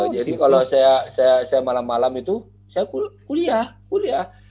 jadi kalau saya malam malam itu saya kuliah